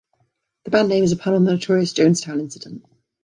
The band name is a pun on the notorious Jonestown incident.